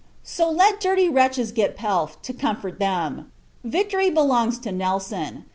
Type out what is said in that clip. So, let dirty wretches get pelf, to comfort them; victory belongs to Nelson.